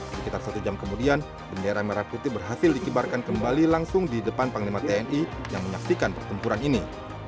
sekitar satu jam kemudian bendera merah putih berhasil dikibarkan kembali langsung di depan panglima tni yang menyaksikan pertempuran ini